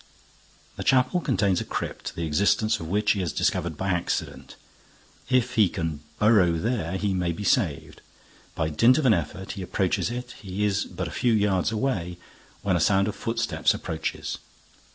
The chapel contains a crypt, the existence of which he has discovered by accident. If he can burrow there, he may be saved. By dint of an effort, he approaches it, he is but a few yards away, when a sound of footsteps approaches.